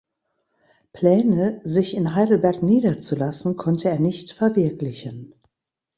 Pläne sich in Heidelberg niederzulassen konnte er nicht verwirklichen.